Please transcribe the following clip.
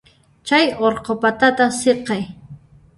Chay urqu patata siqay.